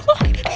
wah tidak dia